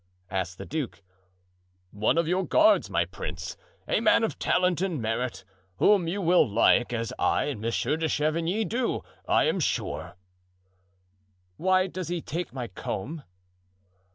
asked the duke. "One of your guards, my prince; a man of talent and merit, whom you will like, as I and Monsieur de Chavigny do, I am sure." "Why does he take my comb?"